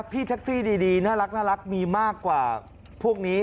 พี่แท็กซี่ดีน่ารักมีมากกว่าพวกนี้